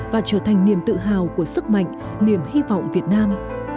và trở thành niềm tự hào của sức mạnh niềm hy vọng việt nam